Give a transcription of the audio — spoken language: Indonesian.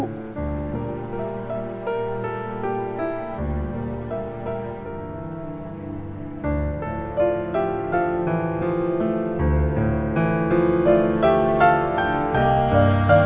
mereka itu siapa